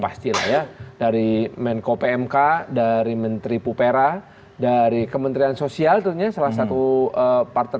pasti dari menko pmk dari menteri pupera dari kementerian sosial ternyata salah satu partner